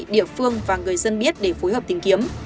địa phương và người dân biết để phối hợp tìm kiếm